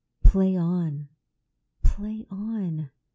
]PLAY on! Play on!